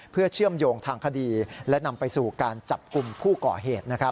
เพื่อเชื่อมโยงทางคดีและนำไปสู่การจับกลุ่มผู้ก่อเหตุ